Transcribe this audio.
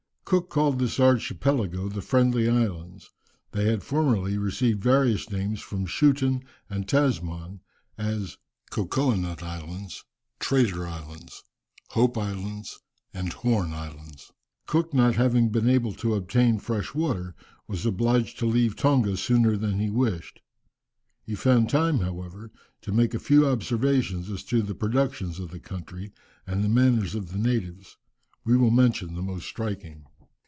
Cook called this archipelago the Friendly Islands. They had formerly received various names from Schouten and Tasman, as, Cocoa nut Islands, Traitor Islands, Hope Islands, and Horn Islands. Cook not having been able to obtain fresh water, was obliged to leave Tonga sooner than he wished. He found time, however, to make a few observations as to the productions of the country, and the manners of the natives. We will mention the most striking.